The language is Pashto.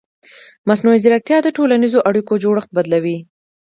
مصنوعي ځیرکتیا د ټولنیزو اړیکو جوړښت بدلوي.